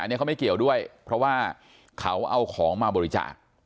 อันนี้เขาไม่เกี่ยวด้วยเพราะว่าเขาเอาของมาบริจาค